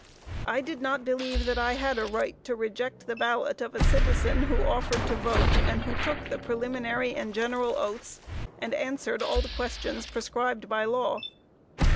I did not believe that I had a right to reject the ballot of a citizen who offered to vote, and who took the preliminary and general oaths; and answered all questions prescribed by law.